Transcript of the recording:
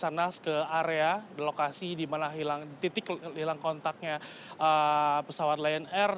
basarnas ke area lokasi di mana titik hilang kontaknya pesawat lion air